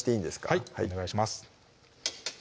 はいお願いします